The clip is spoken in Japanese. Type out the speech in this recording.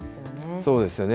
そうですよね。